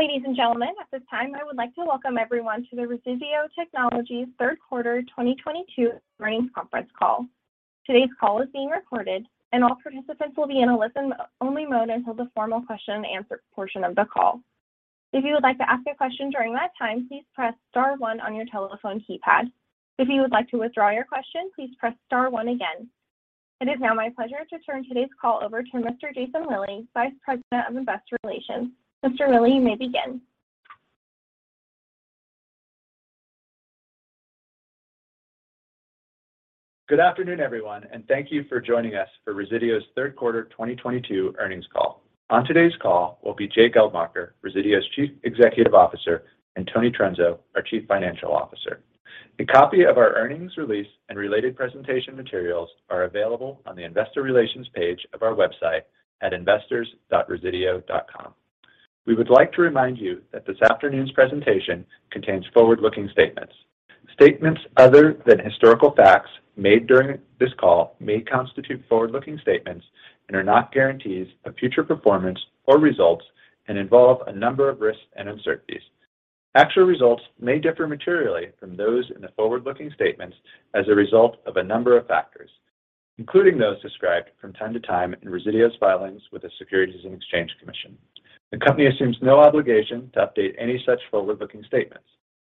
Ladies and gentlemen, at this time, I would like to welcome everyone to the Resideo Technologies Third Quarter 2022 Earnings Conference Call. Today's call is being recorded, and all participants will be in a listen-only mode until the formal question and answer portion of the call. If you would like to ask a question during that time, please press star one on your telephone keypad. If you would like to withdraw your question, please press star one again. It is now my pleasure to turn today's call over to Mr. Jason Willey, Vice President of Investor Relations. Mr. Willey, you may begin. Good afternoon, everyone, and thank you for joining us for Resideo's Third Quarter 2022 Earnings Call. On today's call will be Jay Geldmacher, Resideo's Chief Executive Officer, and Tony Trunzo, our Chief Financial Officer. A copy of our earnings release and related presentation materials are available on the investor relations page of our website at investors.resideo.com. We would like to remind you that this afternoon's presentation contains forward-looking statements. Statements other than historical facts made during this call may constitute forward-looking statements and are not guarantees of future performance or results and involve a number of risks and uncertainties. Actual results may differ materially from those in the forward-looking statements as a result of a number of factors, including those described from time to time in Resideo's filings with the Securities and Exchange Commission. The company assumes no obligation to update any such forward-looking statements.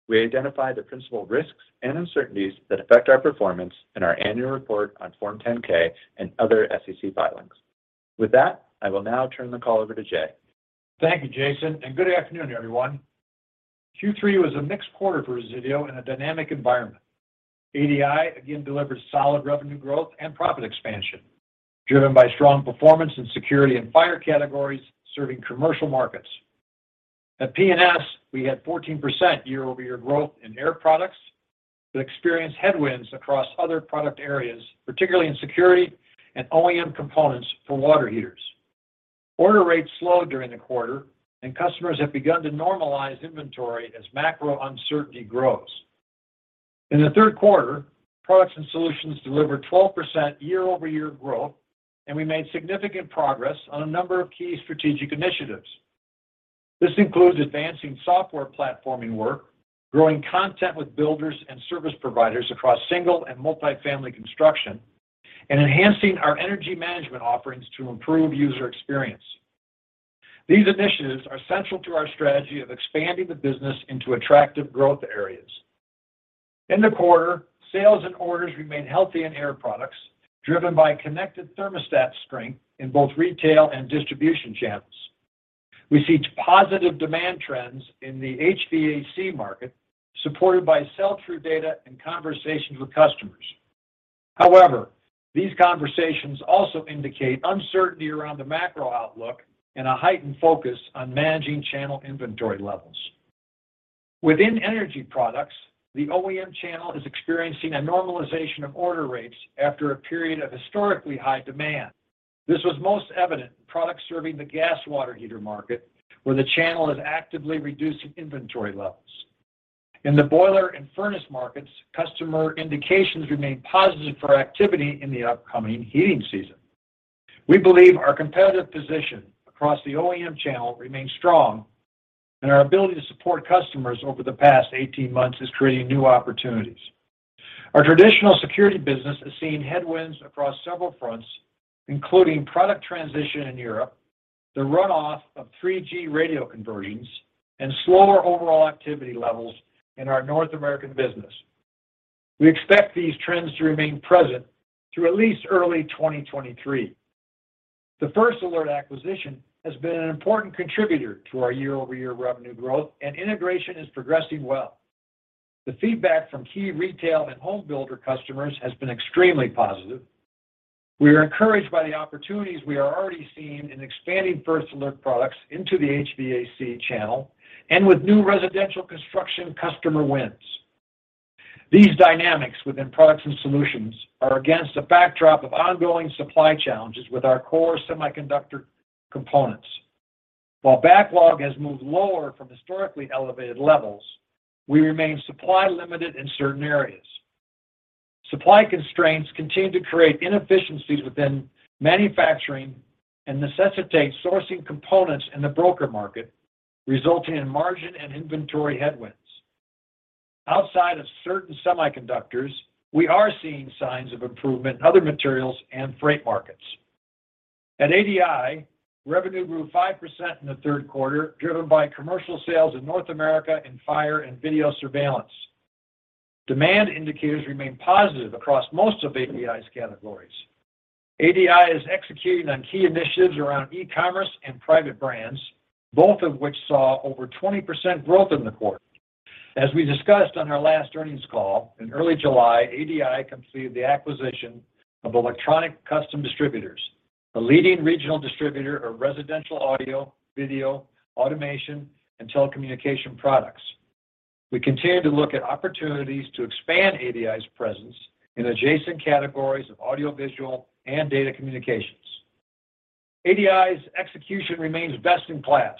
We identify the principal risks and uncertainties that affect our performance in our annual report on Form 10-K and other SEC filings. With that, I will now turn the call over to Jay. Thank you, Jason, and good afternoon, everyone. Q3 was a mixed quarter for Resideo in a dynamic environment. ADI again delivered solid revenue growth and profit expansion driven by strong performance in security and fire categories serving commercial markets. At P&S, we had 14% year-over-year growth in air products, but experienced headwinds across other product areas, particularly in security and OEM components for water heaters. Order rates slowed during the quarter, and customers have begun to normalize inventory as macro uncertainty grows. In the third quarter, Products and Solutions delivered 12% year-over-year growth, and we made significant progress on a number of key strategic initiatives. This includes advancing software platforming work, growing content with builders and service providers across single and multi-family construction, and enhancing our energy management offerings to improve user experience. These initiatives are central to our strategy of expanding the business into attractive growth areas. In the quarter, sales and orders remained healthy in air products, driven by connected thermostat strength in both retail and distribution channels. We see positive demand trends in the HVAC market, supported by sell-through data and conversations with customers. However, these conversations also indicate uncertainty around the macro outlook and a heightened focus on managing channel inventory levels. Within energy products, the OEM channel is experiencing a normalization of order rates after a period of historically high demand. This was most evident in products serving the gas water heater market, where the channel is actively reducing inventory levels. In the boiler and furnace markets, customer indications remain positive for activity in the upcoming heating season. We believe our competitive position across the OEM channel remains strong, and our ability to support customers over the past 18 months is creating new opportunities. Our traditional security business has seen headwinds across several fronts, including product transition in Europe, the runoff of 3G radio conversions, and slower overall activity levels in our North American business. We expect these trends to remain present through at least early 2023. The First Alert acquisition has been an important contributor to our year-over-year revenue growth, and integration is progressing well. The feedback from key retail and home builder customers has been extremely positive. We are encouraged by the opportunities we are already seeing in expanding First Alert products into the HVAC channel and with new residential construction customer wins. These dynamics within Products and Solutions are against the backdrop of ongoing supply challenges with our core semiconductor components. While backlog has moved lower from historically elevated levels, we remain supply limited in certain areas. Supply constraints continue to create inefficiencies within manufacturing and necessitate sourcing components in the broker market, resulting in margin and inventory headwinds. Outside of certain semiconductors, we are seeing signs of improvement in other materials and freight markets. At ADI, revenue grew 5% in the third quarter, driven by commercial sales in North America in fire and video surveillance. Demand indicators remain positive across most of ADI's categories. ADI is executing on key initiatives around e-commerce and private brands, both of which saw over 20% growth in the quarter. As we discussed on our last earnings call, in early July, ADI completed the acquisition of Electronic Custom Distributors, a leading regional distributor of residential audio, video, automation, and telecommunication products. We continue to look at opportunities to expand ADI's presence in adjacent categories of audiovisual and data communications. ADI's execution remains best in class.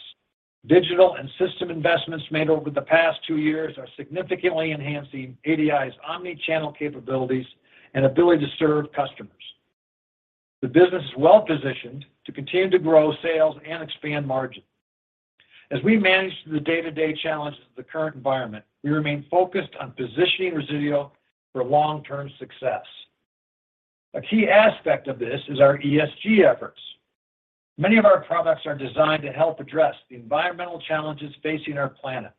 Digital and system investments made over the past two years are significantly enhancing ADI's omnichannel capabilities and ability to serve customers. The business is well positioned to continue to grow sales and expand margin. As we manage the day-to-day challenges of the current environment, we remain focused on positioning Resideo for long-term success. A key aspect of this is our ESG efforts. Many of our products are designed to help address the environmental challenges facing our planet.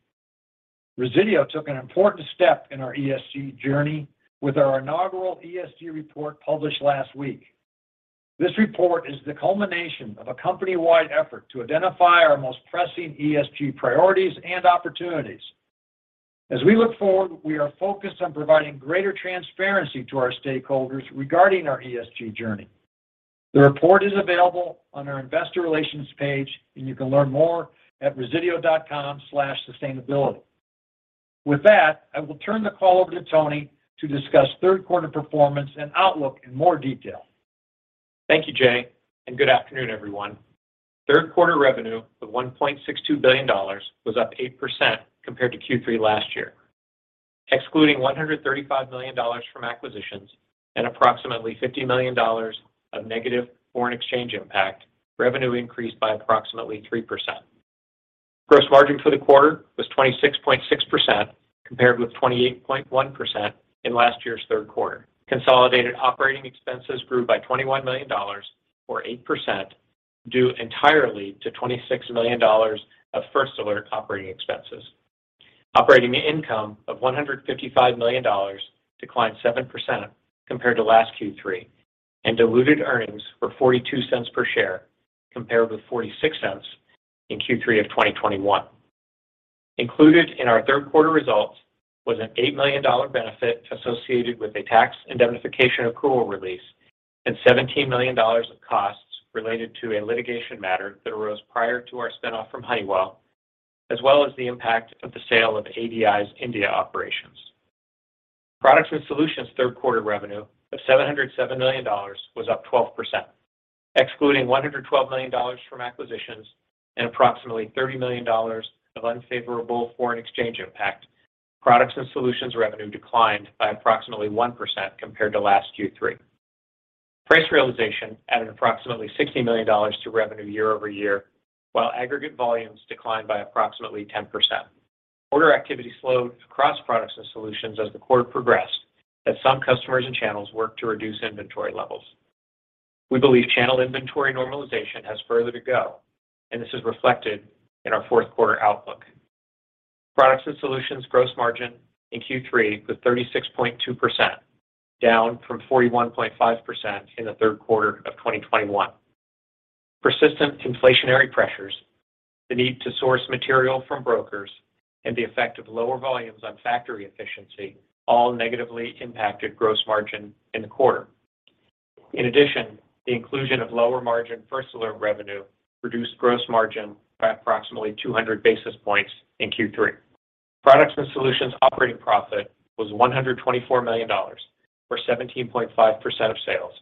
Resideo took an important step in our ESG journey with our inaugural ESG report published last week. This report is the culmination of a company-wide effort to identify our most pressing ESG priorities and opportunities. As we look forward, we are focused on providing greater transparency to our stakeholders regarding our ESG journey. The report is available on our investor relations page, and you can learn more at resideo.com/sustainability. With that, I will turn the call over to Tony to discuss third quarter performance and outlook in more detail. Thank you, Jay, and good afternoon, everyone. Third quarter revenue of $1.62 billion was up 8% compared to Q3 last year. Excluding $135 million from acquisitions and approximately $50 million of negative foreign exchange impact, revenue increased by approximately 3%. Gross margin for the quarter was 26.6% compared with 28.1% in last year's third quarter. Consolidated operating expenses grew by $21 million or 8% due entirely to $26 million of First Alert operating expenses. Operating income of $155 million declined 7% compared to last Q3, and diluted earnings were $0.42 per share compared with $0.46 in Q3 of 2021. Included in our third quarter results was an $8 million benefit associated with a tax indemnification accrual release and $17 million of costs related to a litigation matter that arose prior to our spin-off from Honeywell, as well as the impact of the sale of ADI's India operations. Products & Solutions third quarter revenue of $707 million was up 12%. Excluding $112 million from acquisitions and approximately $30 million of unfavorable foreign exchange impact, Products & Solutions revenue declined by approximately 1% compared to last Q3. Price realization added approximately $60 million to revenue year-over-year, while aggregate volumes declined by approximately 10%. Order activity slowed across Products & Solutions as the quarter progressed as some customers and channels worked to reduce inventory levels. We believe channel inventory normalization has further to go, and this is reflected in our fourth quarter outlook. Products and Solutions gross margin in Q3 was 36.2%, down from 41.5% in the third quarter of 2021. Persistent inflationary pressures, the need to source material from brokers, and the effect of lower volumes on factory efficiency all negatively impacted gross margin in the quarter. In addition, the inclusion of lower margin First Alert revenue reduced gross margin by approximately 200 basis points in Q3. Products and Solutions operating profit was $124 million, or 17.5% of sales,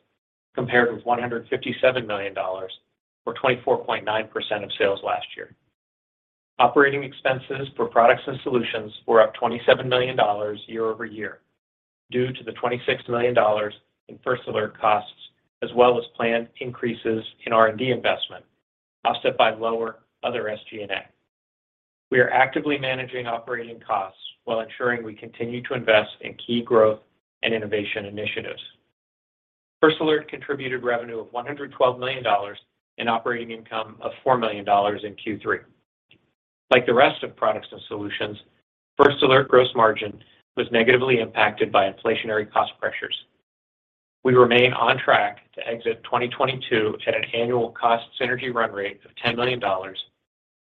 compared with $157 million, or 24.9% of sales last year. Operating expenses for Products & Solutions were up $27 million year-over-year due to the $26 million in First Alert costs, as well as planned increases in R&D investment, offset by lower other SG&A. We are actively managing operating costs while ensuring we continue to invest in key growth and innovation initiatives. First Alert contributed revenue of $112 million and operating income of $4 million in Q3. Like the rest of Products & Solutions, First Alert gross margin was negatively impacted by inflationary cost pressures. We remain on track to exit 2022 at an annual cost synergy run rate of $10 million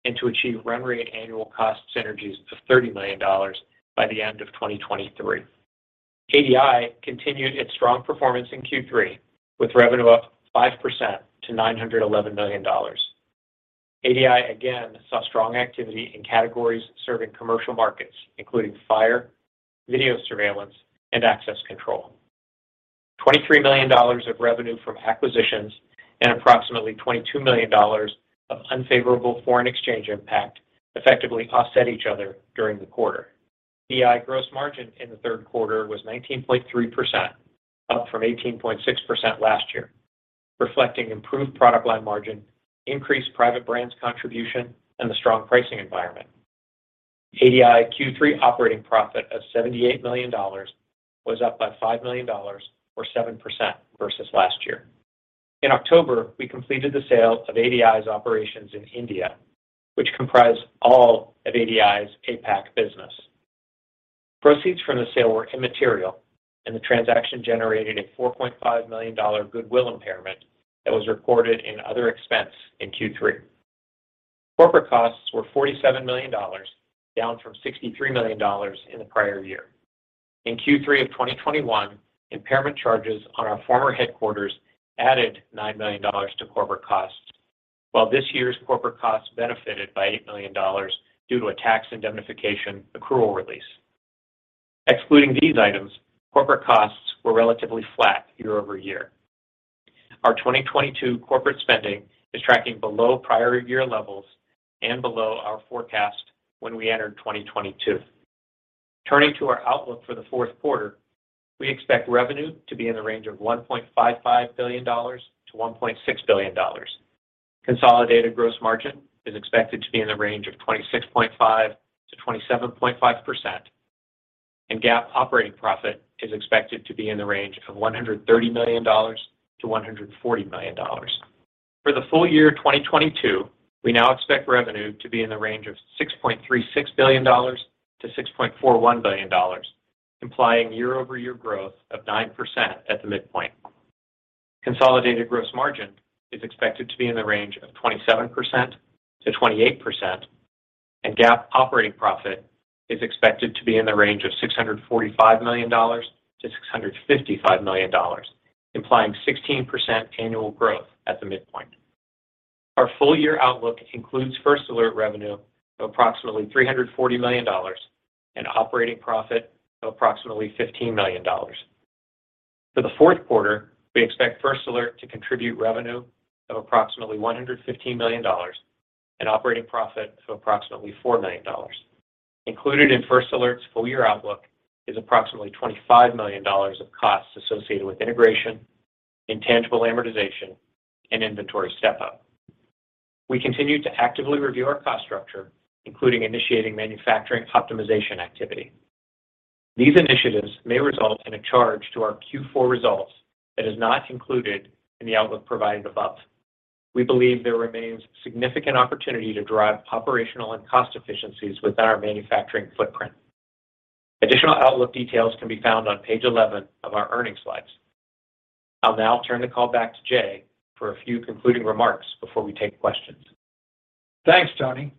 and to achieve run rate annual cost synergies of $30 million by the end of 2023. ADI continued its strong performance in Q3, with revenue up 5% to $911 million. ADI again saw strong activity in categories serving commercial markets, including fire, video surveillance, and access control. $23 million of revenue from acquisitions and approximately $22 million of unfavorable foreign exchange impact effectively offset each other during the quarter. ADI gross margin in the third quarter was 19.3%, up from 18.6% last year, reflecting improved product line margin, increased private brands contribution, and the strong pricing environment. ADI Q3 operating profit of $78 million was up by $5 million or 7% versus last year. In October, we completed the sale of ADI's operations in India, which comprised all of ADI's APAC business. Proceeds from the sale were immaterial, and the transaction generated a $4.5 million goodwill impairment that was recorded in other expense in Q3. Corporate costs were $47 million, down from $63 million in the prior year. In Q3 of 2021, impairment charges on our former headquarters added $9 million to corporate costs, while this year's corporate costs benefited by $8 million due to a tax indemnification accrual release. Excluding these items, corporate costs were relatively flat year over year. Our 2022 corporate spending is tracking below prior year levels and below our forecast when we entered 2022. Turning to our outlook for the fourth quarter, we expect revenue to be in the range of $1.55 billion-$1.60 billion. Consolidated gross margin is expected to be in the range of 26.5%-27.5%. GAAP operating profit is expected to be in the range of $130 million-$140 million. For the full year 2022, we now expect revenue to be in the range of $6.36 billion-$6.41 billion, implying year-over-year growth of 9% at the midpoint. Consolidated gross margin is expected to be in the range of 27%-28%, and GAAP operating profit is expected to be in the range of $645 million-$655 million, implying 16% annual growth at the midpoint. Our full year outlook includes First Alert revenue of approximately $340 million and operating profit of approximately $15 million. For the fourth quarter, we expect First Alert to contribute revenue of approximately $115 million and operating profit of approximately $4 million. Included in First Alert's full year outlook is approximately $25 million of costs associated with integration, intangible amortization, and inventory step-up. We continue to actively review our cost structure, including initiating manufacturing optimization activity. These initiatives may result in a charge to our Q4 results that is not included in the outlook provided above. We believe there remains significant opportunity to drive operational and cost efficiencies within our manufacturing footprint. Additional outlook details can be found on page 11 of our earnings slides. I'll now turn the call back to Jay for a few concluding remarks before we take questions. Thanks, Tony.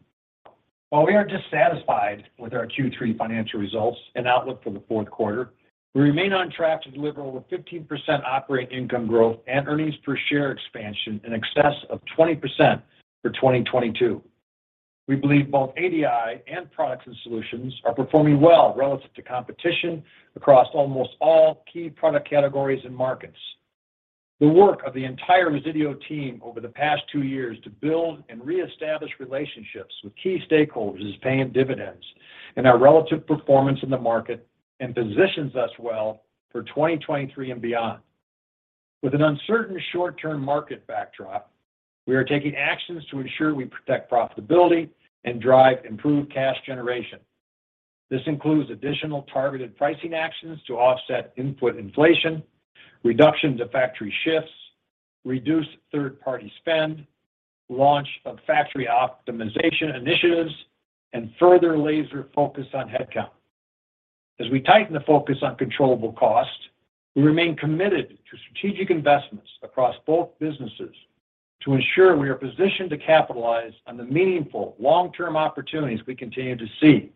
While we are dissatisfied with our Q3 financial results and outlook for the fourth quarter, we remain on track to deliver over 15% operating income growth and earnings per share expansion in excess of 20% for 2022. We believe both ADI and Products and Solutions are performing well relative to competition across almost all key product categories and markets. The work of the entire Resideo team over the past two years to build and reestablish relationships with key stakeholders is paying dividends in our relative performance in the market and positions us well for 2023 and beyond. With an uncertain short-term market backdrop, we are taking actions to ensure we protect profitability and drive improved cash generation. This includes additional targeted pricing actions to offset input inflation, reduction to factory shifts, reduced third-party spend, launch of factory optimization initiatives, and further laser focus on headcount. As we tighten the focus on controllable costs, we remain committed to strategic investments across both businesses to ensure we are positioned to capitalize on the meaningful long-term opportunities we continue to see.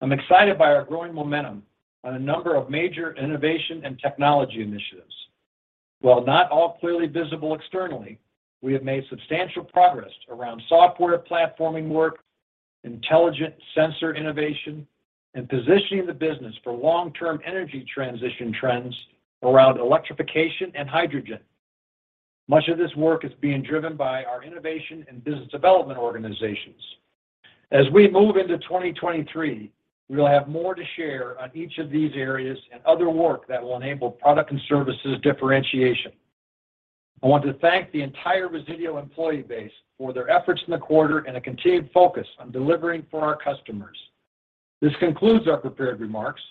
I'm excited by our growing momentum on a number of major innovation and technology initiatives. While not all clearly visible externally, we have made substantial progress around software platforming work, intelligent sensor innovation, and positioning the business for long-term energy transition trends around electrification and hydrogen. Much of this work is being driven by our innovation and business development organizations. As we move into 2023, we will have more to share on each of these areas and other work that will enable product and services differentiation. I want to thank the entire Resideo employee base for their efforts in the quarter and a continued focus on delivering for our customers. This concludes our prepared remarks.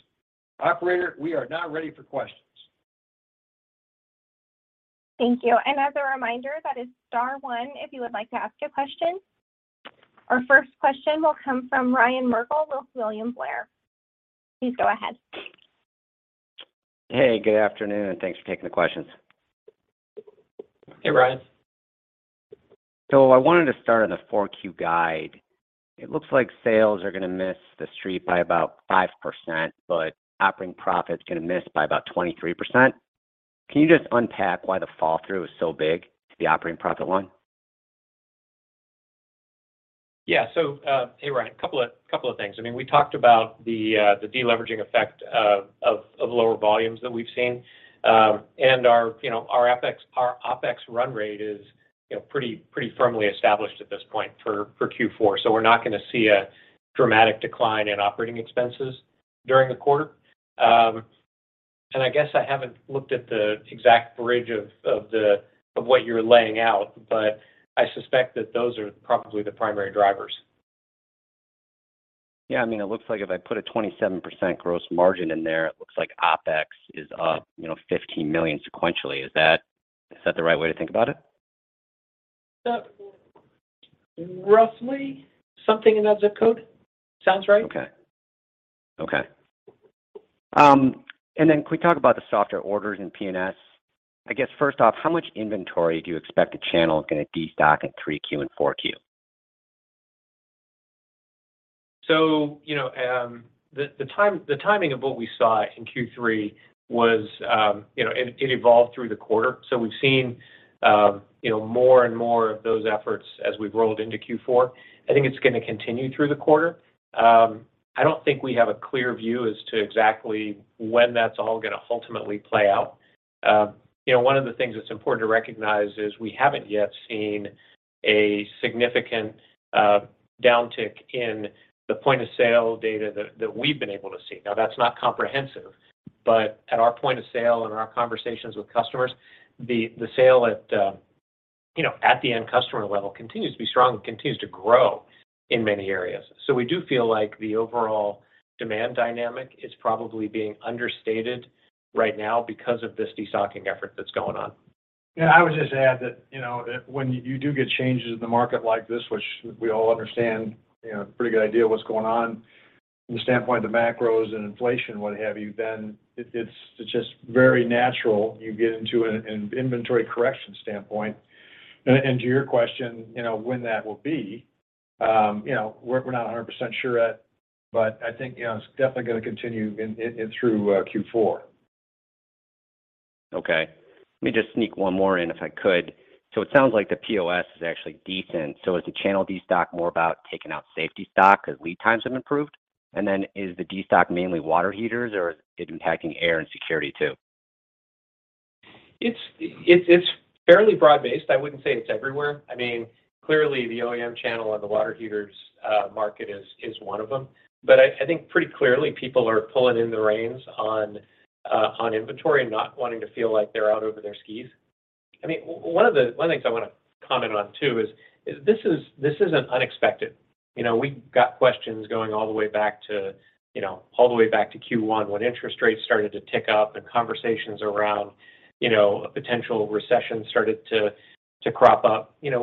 Operator, we are now ready for questions. Thank you. As a reminder, that is star one if you would like to ask a question. Our first question will come from Ryan Merkel with William Blair. Please go ahead. Hey, good afternoon, and thanks for taking the questions. Hey, Ryan. I wanted to start on the 4Q guide. It looks like sales are gonna miss the street by about 5%, but operating profit is gonna miss by about 23%. Can you just unpack why the fall through is so big to the operating profit line? Yeah. Hey, Ryan, a couple of things. I mean, we talked about the deleveraging effect of lower volumes that we've seen. You know, our FX, our OPEX run rate is, you know, pretty firmly established at this point for Q4. We're not gonna see a dramatic decline in operating expenses during the quarter. I guess I haven't looked at the exact bridge of what you're laying out, but I suspect that those are probably the primary drivers. Yeah, I mean, it looks like if I put a 27% gross margin in there, it looks like OPEX is up, you know, $15 million sequentially. Is that the right way to think about it? Roughly something in that zip code sounds right. Can we talk about the softer orders in P&S? I guess, first off, how much inventory do you expect the channel is gonna destock in 3Q and 4Q? The timing of what we saw in Q3 was, it evolved through the quarter. We've seen more and more of those efforts as we've rolled into Q4. I think it's gonna continue through the quarter. I don't think we have a clear view as to exactly when that's all gonna ultimately play out. One of the things that's important to recognize is we haven't yet seen a significant downtick in the point of sale data that we've been able to see. Now, that's not comprehensive. At our point of sale and our conversations with customers, the sale at the end customer level continues to be strong and continues to grow in many areas. We do feel like the overall demand dynamic is probably being understated right now because of this destocking effort that's going on. Yeah. I would just add that, you know, when you do get changes in the market like this, which we all understand, you know, pretty good idea of what's going on from the standpoint of the macros and inflation, what have you, then it's just very natural, you get into an inventory correction standpoint. To your question, you know, when that will be, you know, we're not 100% sure yet, but I think, you know, it's definitely going to continue in through Q4. Okay. Let me just sneak one more in, if I could. It sounds like the POS is actually decent. Is the channel destock more about taking out safety stock because lead times have improved? Is the destock mainly water heaters, or is it impacting air and security too? It's fairly broad-based. I wouldn't say it's everywhere. I mean, clearly the OEM channel and the water heaters market is one of them. I think pretty clearly people are pulling in the reins on inventory and not wanting to feel like they're out over their skis. I mean, one of the things I want to comment on too is, this isn't unexpected. You know, we got questions going all the way back to, you know, all the way back to Q1 when interest rates started to tick up, and conversations around, you know, a potential recession started to crop up. You know,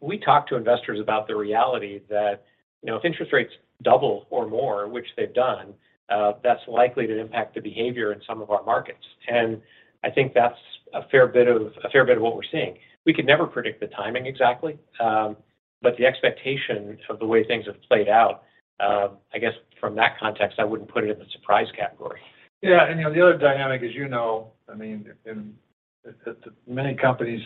we talk to investors about the reality that, you know, if interest rates double or more, which they've done, that's likely to impact the behavior in some of our markets. I think that's a fair bit of what we're seeing. We can never predict the timing exactly, but the expectation of the way things have played out, I guess from that context, I wouldn't put it in the surprise category. You know, the other dynamic is, you know, I mean, in many companies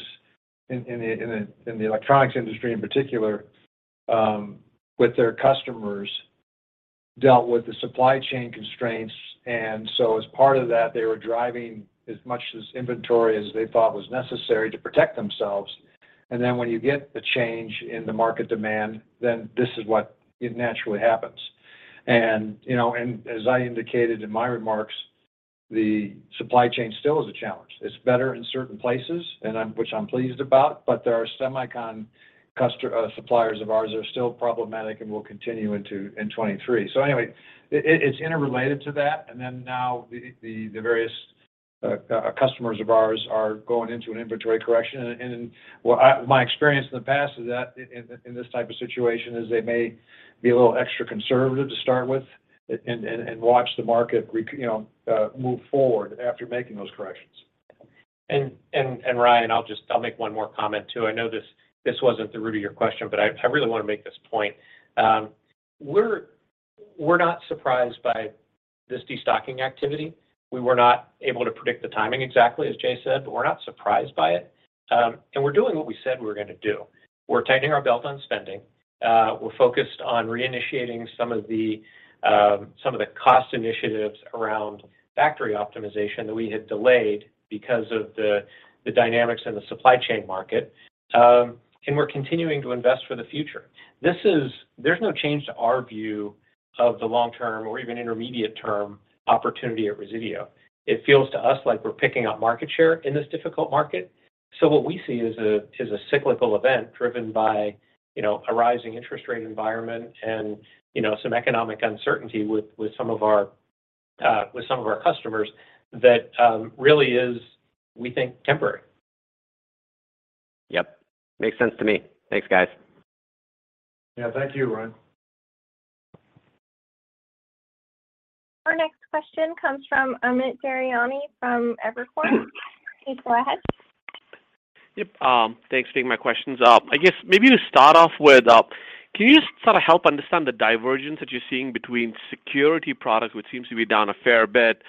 in the electronics industry in particular, with their customers dealt with the supply chain constraints. As part of that, they were driving as much as inventory as they thought was necessary to protect themselves. When you get the change in the market demand, this is what naturally happens. You know, as I indicated in my remarks, the supply chain still is a challenge. It's better in certain places, which I'm pleased about, but there are semiconductor suppliers of ours that are still problematic and will continue into 2023. Anyway, it's interrelated to that. Now the various customers of ours are going into an inventory correction. My experience in the past is that in this type of situation they may be a little extra conservative to start with and watch the market, you know, move forward after making those corrections. Ryan, I'll make one more comment, too. I know this wasn't the root of your question, but I really want to make this point. We're not surprised by this destocking activity. We were not able to predict the timing exactly, as Jay said, but we're not surprised by it. We're doing what we said we were going to do. We're tightening our belt on spending. We're focused on reinitiating some of the cost initiatives around factory optimization that we had delayed because of the dynamics in the supply chain market. We're continuing to invest for the future. There's no change to our view of the long-term or even intermediate term opportunity at Resideo. It feels to us like we're picking up market share in this difficult market. What we see is a cyclical event driven by, you know, a rising interest rate environment and, you know, some economic uncertainty with some of our customers that really is, we think, temporary. Yep. Makes sense to me. Thanks, guys. Yeah. Thank you, Ryan. Our next question comes from Amit Daryanani from Evercore. Please go ahead. Yep. Thanks for taking my questions. I guess maybe to start off with, can you just sort of help understand the divergence that you're seeing between security products, which seems to be down a fair bit,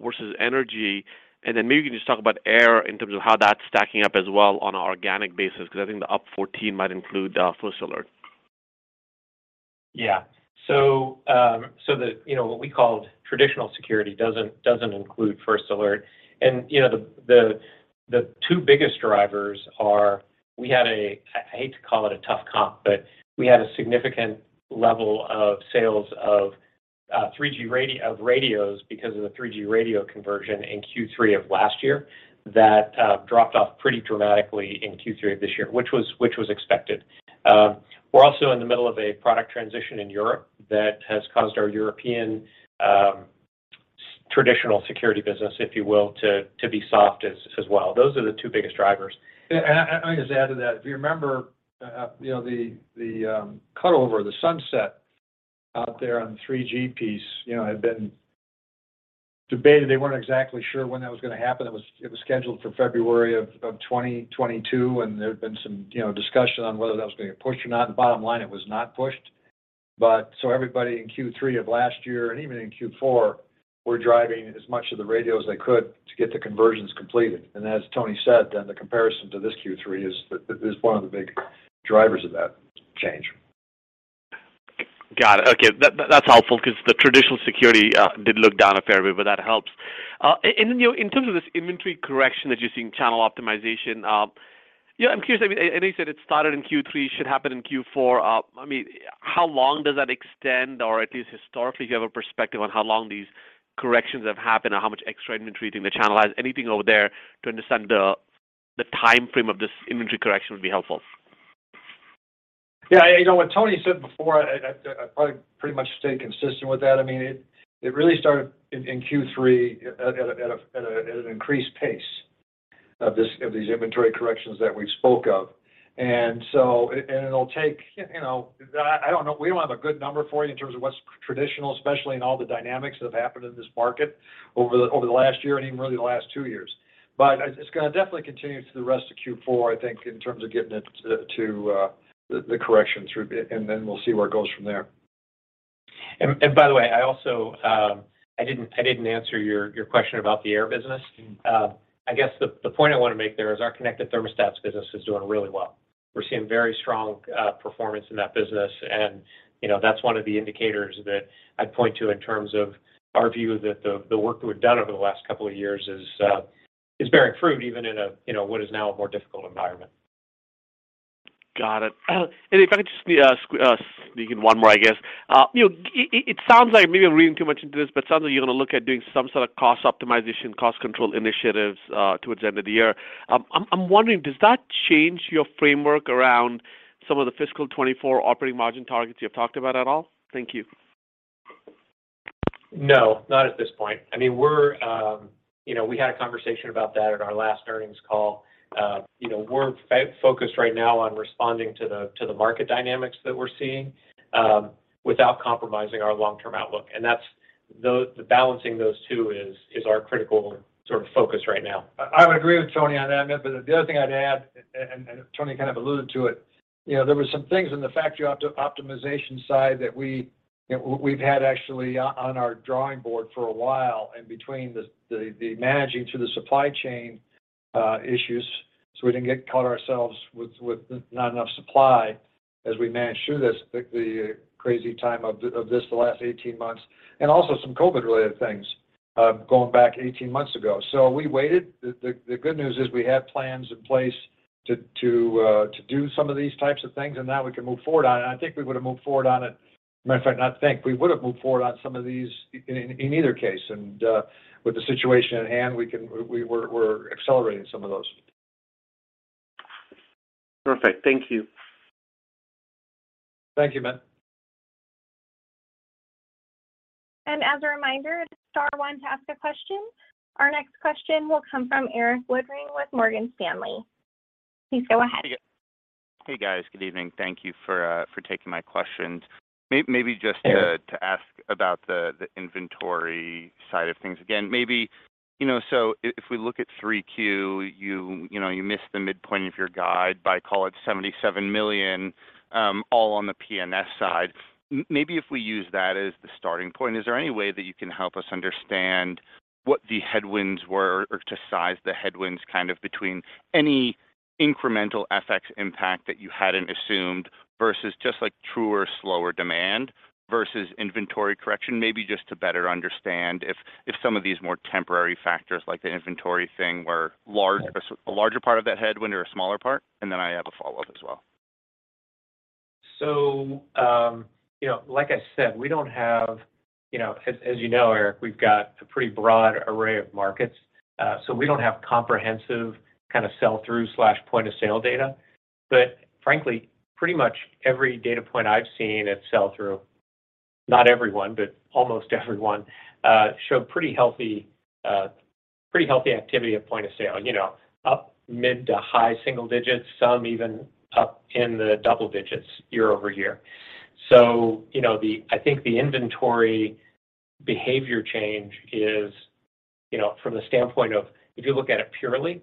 versus energy? Maybe you can just talk about ADI in terms of how that's stacking up as well on an organic basis, because I think the up 14% might include First Alert. Yeah. You know, what we called traditional security doesn't include First Alert. You know, the two biggest drivers are we had a, I hate to call it a tough comp, but we had a significant level of sales of 3G radios because of the 3G radio conversion in Q3 of last year. That dropped off pretty dramatically in Q3 of this year, which was expected. We're also in the middle of a product transition in Europe that has caused our European traditional security business, if you will, to be soft as well. Those are the two biggest drivers. I just add to that. If you remember, the cut over, the sunset out there on the 3G piece, you know, had been debated. They weren't exactly sure when that was going to happen. It was scheduled for February of 2022, and there had been some you know, discussion on whether that was going to get pushed or not. The bottom line, it was not pushed. Everybody in Q3 of last year and even in Q4 were driving as much of the radio as they could to get the conversions completed. As Tony said, then the comparison to this Q3 is one of the big drivers of that change. Got it. Okay. That's helpful because the traditional security did look down a fair bit, but that helps. You know, in terms of this inventory correction that you're seeing, channel optimization. Yeah, I'm curious. I mean, you said it started in Q3, should happen in Q4. I mean, how long does that extend? Or at least historically, if you have a perspective on how long these corrections have happened or how much extra inventory you think the channel has. Anything over there to understand the timeframe of this inventory correction would be helpful. Yeah, you know, what Tony said before, I probably pretty much stay consistent with that. I mean, it really started in Q3 at an increased pace of these inventory corrections that we spoke of. It'll take, you know, I don't know, we don't have a good number for you in terms of what's traditional, especially in all the dynamics that have happened in this market over the last year and even really the last two years. It's gonna definitely continue through the rest of Q4, I think, in terms of getting it to the correction through. Then we'll see where it goes from there. By the way, I also didn't answer your question about the air business. I guess the point I wanna make there is our connected thermostats business is doing really well. We're seeing very strong performance in that business and, you know, that's one of the indicators that I'd point to in terms of our view that the work that we've done over the last couple of years is bearing fruit even in a, you know, what is now a more difficult environment. Got it. If I could just sneak in one more, I guess. You know, it sounds like maybe I'm reading too much into this, but it sounds like you're gonna look at doing some sort of cost optimization, cost control initiatives, towards the end of the year. I'm wondering, does that change your framework around some of the fiscal 2024 operating margin targets you have talked about at all? Thank you. No, not at this point. I mean, we're. You know, we had a conversation about that at our last earnings call. You know, we're focused right now on responding to the market dynamics that we're seeing, without compromising our long-term outlook. That's the balancing those two is our critical sort of focus right now. I would agree with Tony on that. The other thing I'd add, Tony kind of alluded to it, you know, there were some things in the factory optimization side that we've had actually on our drawing board for a while. Between the managing through the supply chain issues, so we didn't get caught ourselves with not enough supply as we managed through this, the crazy time of the last 18 months, and also some COVID-related things going back 18 months ago. We waited. The good news is we have plans in place to do some of these types of things, and now we can move forward on it. I think we would've moved forward on it. Matter of fact, I think we would've moved forward on some of these in either case. With the situation at hand, we're accelerating some of those. Perfect. Thank you. Thank you, Amit. As a reminder, star one to ask a question. Our next question will come from Erik Woodring with Morgan Stanley. Please go ahead. Hey guys. Good evening. Thank you for taking my questions. Maybe just to ask about the inventory side of things. Again, maybe, you know, if we look at 3Q, you know, you missed the midpoint of your guide by, call it $77 million, all on the P&S side. Maybe if we use that as the starting point, is there any way that you can help us understand what the headwinds were, or to size the headwinds kind of between any incremental FX impact that you hadn't assumed versus just like truly slower demand versus inventory correction? Maybe just to better understand if some of these more temporary factors like the inventory thing were large. Yeah A larger part of that headwind or a smaller part. I have a follow-up as well. You know, like I said, we don't have, you know. As you know, Erik, we've got a pretty broad array of markets, so we don't have comprehensive kind of sell-through/point of sale data. But frankly, pretty much every data point I've seen at sell-through, not every one, but almost every one, showed pretty healthy activity at point of sale. You know, up mid to high single digits, some even up in the double digits year-over-year. You know, I think the inventory behavior change is, you know, from the standpoint of if you look at it purely,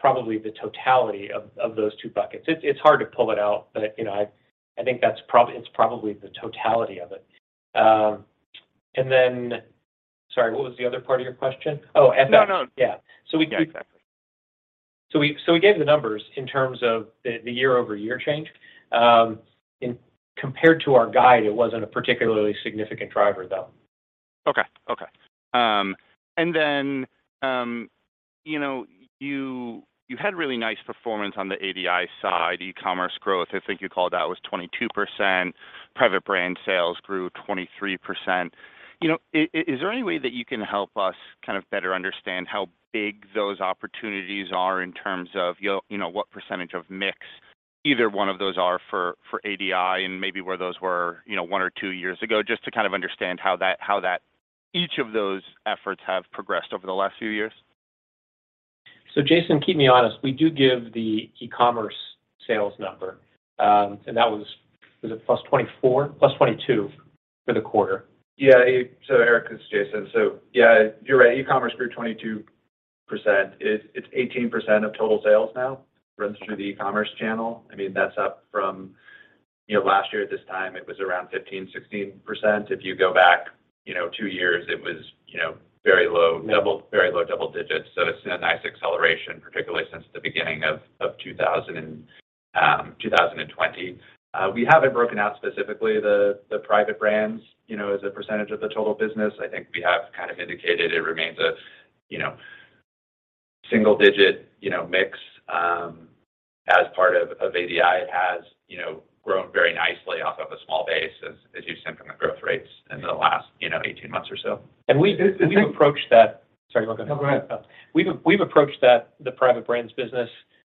probably the totality of those two buckets. It's hard to pull it out, but, you know, I think that's probably the totality of it. Sorry, what was the other part of your question? Oh, FX. No, no. Yeah. Yeah, exactly. We gave the numbers in terms of the year-over-year change. Compared to our guide, it wasn't a particularly significant driver, though. You know, you had really nice performance on the ADI side, e-commerce growth, I think you called that was 22%. Private brand sales grew 23%. You know, is there any way that you can help us kind of better understand how big those opportunities are in terms of you know, what percentage of mix either one of those are for ADI and maybe where those were, you know, one or two years ago, just to kind of understand how that each of those efforts have progressed over the last few years? Jason, keep me honest. We do give the e-commerce sales number. That was it +24%? +22% for the quarter. Yeah. Erik, it's Jason. Yeah, you're right. e-commerce grew 22%. It's 18% of total sales now runs through the e-commerce channel. I mean, that's up from, you know, last year at this time it was around 15, 16%. If you go back, you know, 2 years, it was, you know, very low double very low double digits. It's been a nice acceleration, particularly since the beginning of 2020. We haven't broken out specifically the private brands, you know, as a percentage of the total business. I think we have kind of indicated it remains a single digit, you know, mix as part of ADI. It has, you know, grown very nicely off of a small base as you've seen from the growth rates in the last, you know, 18 months or so. And we- Th-the thing- Sorry, go ahead. No, go ahead. We've approached that, the private brands business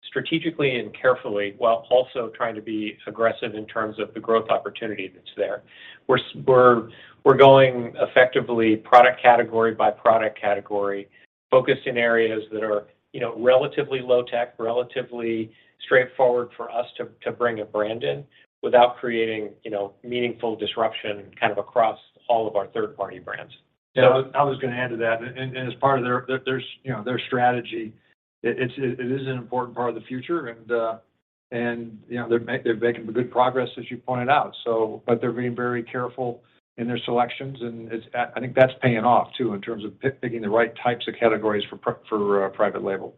strategically and carefully while also trying to be aggressive in terms of the growth opportunity that's there. We're going effectively product category by product category, focused in areas that are, you know, relatively low tech, relatively straightforward for us to bring a brand in without creating, you know, meaningful disruption kind of across all of our third-party brands. Yeah. I was gonna add to that. As part of their strategy, you know, it is an important part of the future and they're making good progress as you pointed out. They're being very careful in their selections and I think that's paying off too in terms of picking the right types of categories for private label.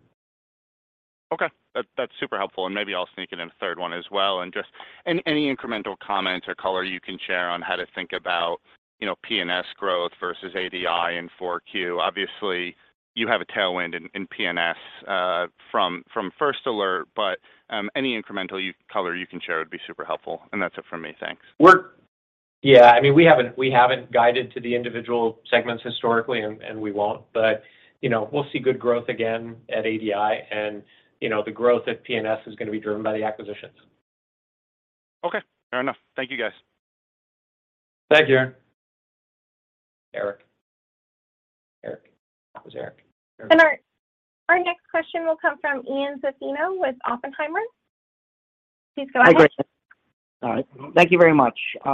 Okay. That's super helpful, and maybe I'll sneak in a third one as well, and just any incremental comment or color you can share on how to think about, you know, P&S growth versus ADI in 4Q. Obviously, you have a tailwind in P&S from First Alert, but any incremental color you can share would be super helpful, and that's it for me. Thanks. Yeah, I mean, we haven't guided to the individual segments historically and we won't. You know, we'll see good growth again at ADI and, you know, the growth at P&S is gonna be driven by the acquisitions. Okay. Fair enough. Thank you, guys. Thank you. Erik. Thanks, Erik. Our next question will come from Ian Zaffino with Oppenheimer. Please go ahead. Hi, great. All right. Thank you very much. Just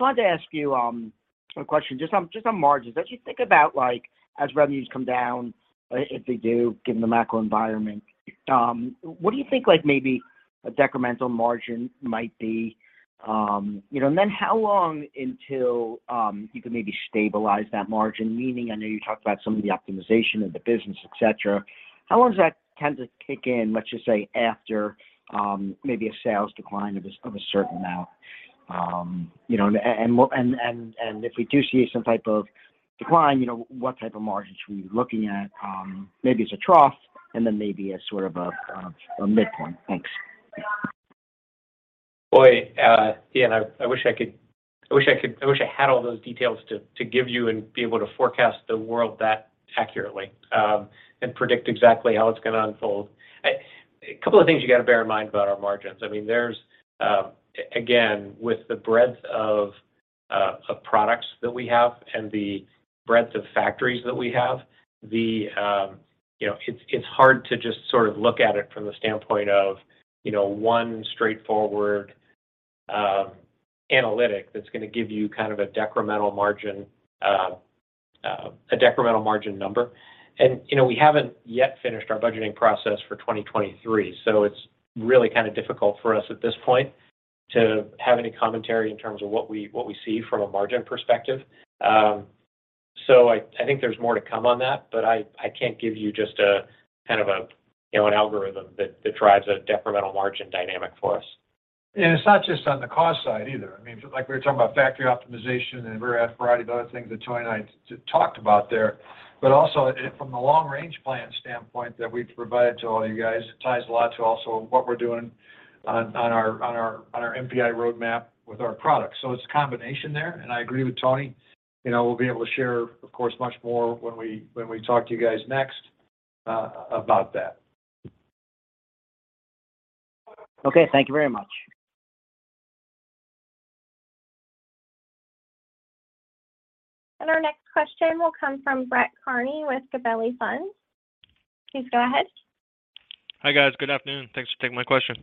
wanted to ask you a question just on margins. As you think about, like, as revenues come down, if they do, given the macro environment, what do you think like maybe a decremental margin might be? You know, and then how long until you could maybe stabilize that margin? Meaning, I know you talked about some of the optimization of the business, et cetera. How long does that tend to kick in, let's just say after maybe a sales decline of a certain amount? You know, and if we do see some type of decline, you know, what type of margins are we looking at? Maybe it's a trough and then maybe a sort of a midpoint. Thanks. Boy, Ian, I wish I had all those details to give you and be able to forecast the world that accurately and predict exactly how it's gonna unfold. A couple of things you gotta bear in mind about our margins. I mean, there's again, with the breadth of products that we have and the breadth of factories that we have, you know, it's hard to just sort of look at it from the standpoint of, you know, one straightforward analytic that's gonna give you kind of a decremental margin, a decremental margin number. You know, we haven't yet finished our budgeting process for 2023, so it's really kind of difficult for us at this point to have any commentary in terms of what we see from a margin perspective. I think there's more to come on that, but I can't give you just a kind of a, you know, an algorithm that drives a decremental margin dynamic for us. It's not just on the cost side either. I mean, like we were talking about factory optimization and a variety of other things that Tony and I talked about there, but also it from the long range plan standpoint that we've provided to all you guys, it ties a lot to also what we're doing on our NPI roadmap with our products. It's a combination there, and I agree with Tony. You know, we'll be able to share, of course, much more when we talk to you guys next about that. Okay. Thank you very much. Our next question will come from Brett Kearney with Gabelli Funds. Please go ahead. Hi, guys. Good afternoon. Thanks for taking my question.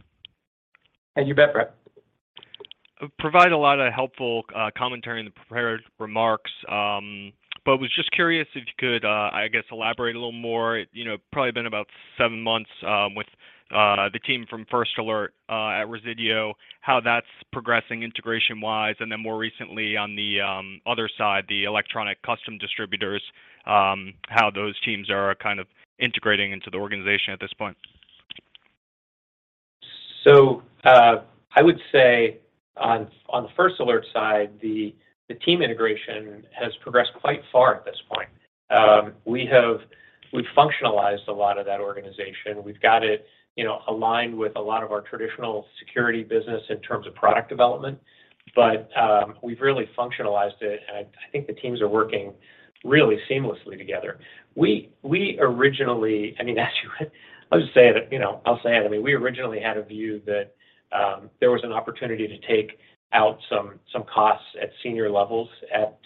Yeah, you bet, Brett. Provide a lot of helpful commentary in the prepared remarks. Was just curious if you could, I guess, elaborate a little more. You know, probably been about seven months, with the team from First Alert at Resideo, how that's progressing integration-wise, and then more recently on the other side, the Electronic Custom Distributors, how those teams are kind of integrating into the organization at this point. I would say on the First Alert side, the team integration has progressed quite far at this point. We've functionalized a lot of that organization. We've got it, you know, aligned with a lot of our traditional security business in terms of product development. But we've really functionalized it, and I think the teams are working really seamlessly together. I'll just say it. You know, I mean, we originally had a view that there was an opportunity to take out some costs at senior levels at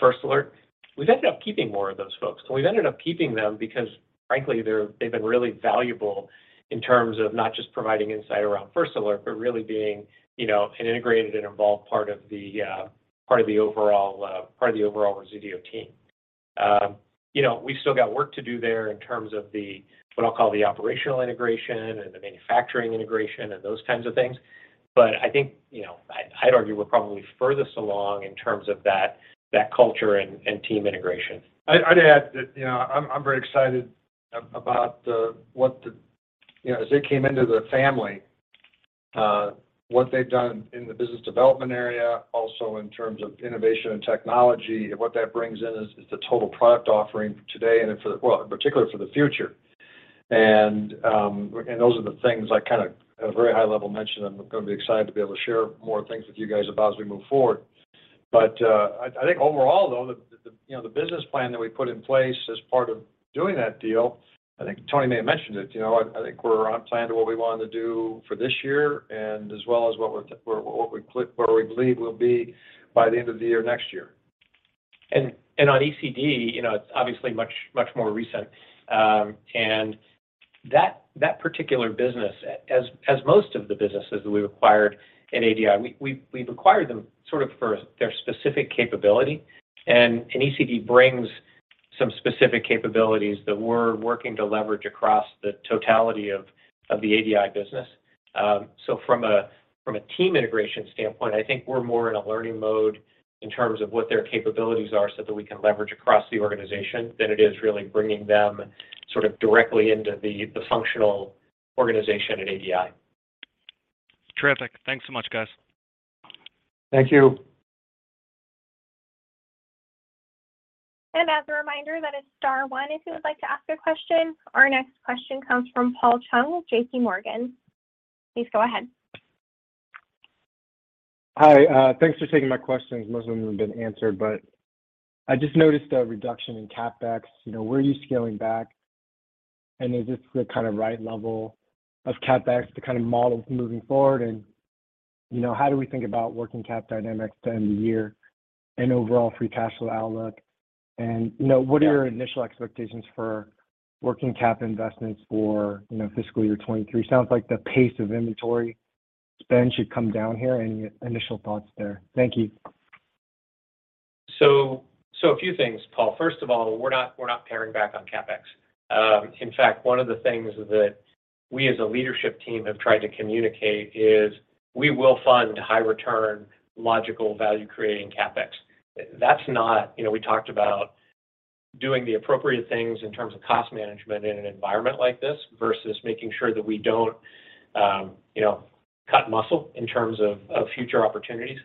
First Alert. We've ended up keeping more of those folks, and we've ended up keeping them because frankly, they've been really valuable in terms of not just providing insight around First Alert, but really being, you know, an integrated and involved part of the overall Resideo team. You know, we've still got work to do there in terms of the, what I'll call the operational integration and the manufacturing integration and those kinds of things. But I think, you know, I'd argue we're probably furthest along in terms of that culture and team integration. I'd add that, you know, I'm very excited about what they, you know, as they came into the family, what they've done in the business development area, also in terms of innovation and technology. Those are the things I kind of at a very high level mentioned. I'm gonna be excited to be able to share more things with you guys about as we move forward. I think overall though, you know, the business plan that we put in place as part of doing that deal, I think Tony may have mentioned it, you know, I think we're on plan to what we wanted to do for this year and as well as where we believe we'll be by the end of the year next year. on ECD, you know, it's obviously much more recent. That particular business, as most of the businesses that we've acquired in ADI, we've acquired them sort of for their specific capability. ECD brings some specific capabilities that we're working to leverage across the totality of the ADI business. From a team integration standpoint, I think we're more in a learning mode in terms of what their capabilities are so that we can leverage across the organization than it is really bringing them sort of directly into the functional organization at ADI. Terrific. Thanks so much, guys. Thank you. As a reminder, that is star one if you would like to ask a question. Our next question comes from Paul Chung with JPMorgan. Please go ahead. Hi, thanks for taking my questions. Most of them have been answered, but I just noticed a reduction in CapEx. You know, were you scaling back? Is this the kind of right level of CapEx to kind of model moving forward? You know, how do we think about working cap dynamics at the end of the year and overall free cash flow outlook? You know, what are your initial expectations for working cap investments for, you know, fiscal year 2023? Sounds like the pace of inventory spend should come down here. Any initial thoughts there? Thank you. A few things, Paul. First of all, we're not paring back on CapEx. In fact, one of the things that we as a leadership team have tried to communicate is we will fund high return, logical value-creating CapEx. That's not. You know, we talked about doing the appropriate things in terms of cost management in an environment like this versus making sure that we don't, you know, cut muscle in terms of future opportunities.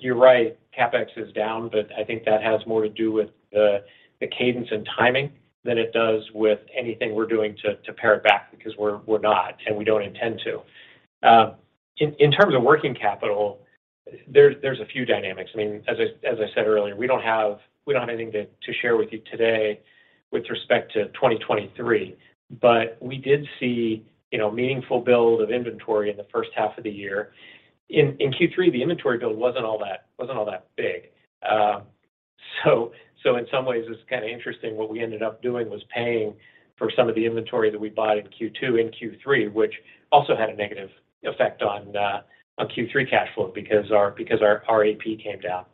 You're right, CapEx is down, but I think that has more to do with the cadence and timing than it does with anything we're doing to pare it back, because we're not, and we don't intend to. In terms of working capital, there's a few dynamics. I mean, as I said earlier, we don't have anything to share with you today with respect to 2023. We did see, you know, meaningful build of inventory in the first half of the year. In Q3, the inventory build wasn't all that big. In some ways, it's kind of interesting what we ended up doing was paying for some of the inventory that we bought in Q2 and Q3, which also had a negative effect on Q3 cash flow because our AP came down.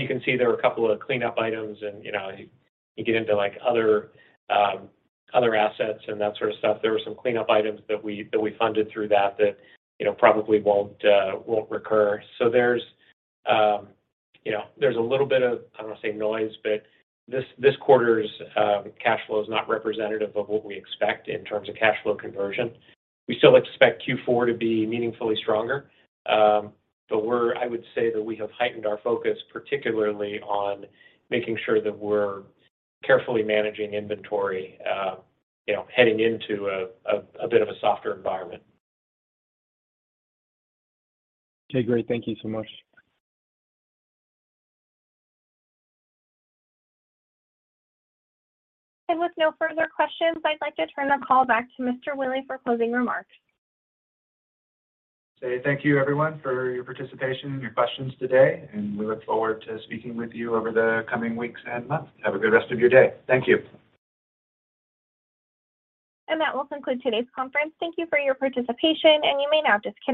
You can see there were a couple of cleanup items and, you know, you get into like other assets and that sort of stuff. There were some cleanup items that we funded through that, you know, probably won't recur. There's you know a little bit of, I don't wanna say noise, but this quarter's cash flow is not representative of what we expect in terms of cash flow conversion. We still expect Q4 to be meaningfully stronger. I would say that we have heightened our focus, particularly on making sure that we're carefully managing inventory, you know, heading into a bit of a softer environment. Okay. Great. Thank you so much. With no further questions, I'd like to turn the call back to Mr. Willey for closing remarks. Thank you everyone for your participation and your questions today, and we look forward to speaking with you over the coming weeks and months. Have a good rest of your day. Thank you. That will conclude today's conference. Thank you for your participation, and you may now disconnect.